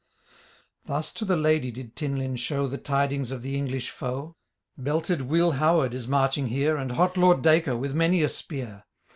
Thus to the Ladye did Tinlinn show The tidings of the English foe: —*' Belted Will Howard* is marching hens. And hot Lord Dacre,* with many a speur.